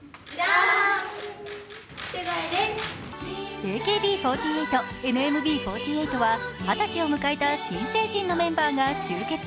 ＡＫＢ４８、ＮＭＢ４８は二十歳を迎えた新成人のメンバーが集結。